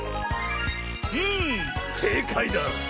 んせいかいだ！